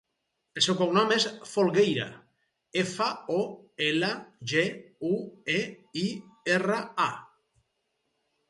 El seu cognom és Folgueira: efa, o, ela, ge, u, e, i, erra, a.